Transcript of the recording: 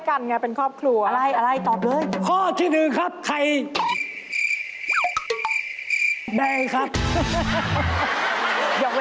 คุณล้อตอบอย่างเดียว